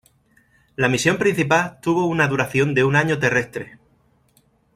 La misión principal tuvo una duración de un año terrestre.